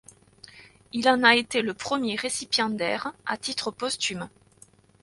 Il en a été le premier récipiendaire, à titre posthume.